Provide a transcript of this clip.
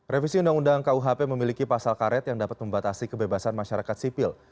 revisi undang undang kuhp memiliki pasal karet yang dapat membatasi kebebasan masyarakat sipil